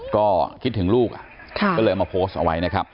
ก็คิดถึงลูกก็เลยเอามาโพสต์เอาไว้นะครับ